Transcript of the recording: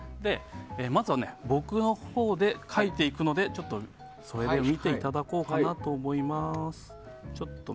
まずは僕のほうで描いていくのでそれを見ていただこうかなと思います。